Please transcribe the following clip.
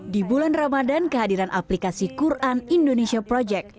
di bulan ramadan kehadiran aplikasi quran indonesia project